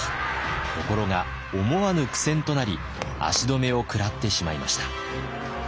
ところが思わぬ苦戦となり足止めを食らってしまいました。